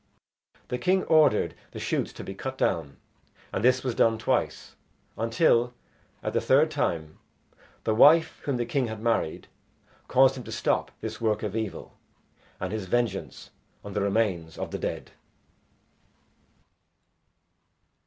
The king ordered the shoots to be cut down, and this was done twice, until, at the third time, the wife whom the king had married caused him to stop this work of evil and his vengeance on the remains of the dead.